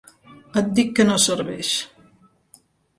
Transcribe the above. Et dic que no serveix.